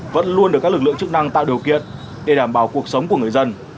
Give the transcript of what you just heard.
vẫn luôn được các lực lượng chức năng tạo điều kiện để đảm bảo cuộc sống của người dân